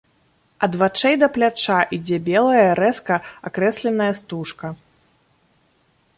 Ад вачэй да пляча ідзе белая рэзка акрэсленая стужка.